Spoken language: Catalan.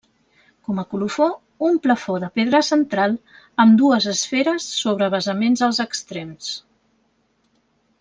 Com a colofó, un plafó de pedra central amb dues esferes sobre basaments als extrems.